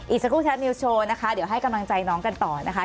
อีกสักครู่แท็บนิวสโชว์นะคะเดี๋ยวให้กำลังใจน้องกันต่อนะคะ